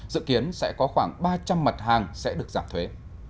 dự kiến sẽ có khoảng ba trăm linh mật hàng sẽ được giảm thuế